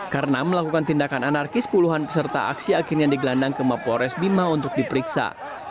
karena melakukan tindakan anarkis puluhan peserta aksi akhirnya digelandang ke mapolres bima untuk diperiksa